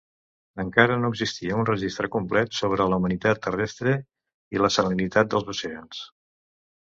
Encara no existia un registre complet sobre la humitat terrestre i la salinitat dels oceans.